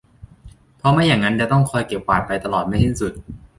เพราะไม่อย่างนั้นจะต้องคอยเก็บกวาดไปตลอดไม่สิ้นสุด